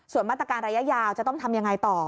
ส่วนมาตรการระยะยาวจะต้องทำยังไงต่อ